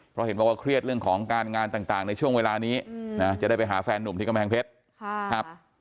เพราะเห็นบอกว่าเครียดเรื่องของการงานต่างในช่วงเวลานี้นะจะได้ไปหาแฟนหนุ่มที่กำแพงเพชร